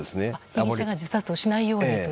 被疑者が自殺をしないようにと。